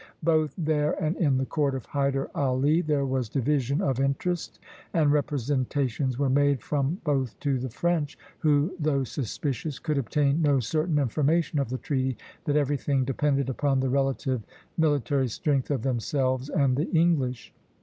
Both there and in the court of Hyder Ali there was division of interest; and representations were made from both to the French, who, though suspicious, could obtain no certain information of the treaty, that everything depended upon the relative military strength of themselves and the English.